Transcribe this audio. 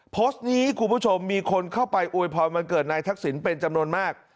โพสต์นี้คุณผู้ชมมีคนเข้าไปอวยพรวันเกิดนายทักษิณเป็นจำนวนมาก